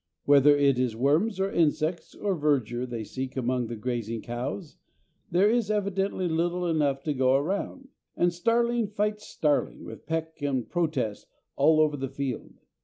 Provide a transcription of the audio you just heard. Whether it is worms or insects or verdure they seek among the grazing cows, there is evidently little enough to go round, and starling fights starling with peck and protest all over the field.